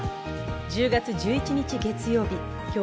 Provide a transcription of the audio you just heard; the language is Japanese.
１０月１１日、月曜日。